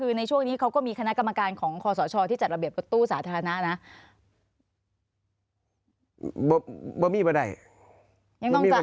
เออเอามันเป็นขอเท็จจริง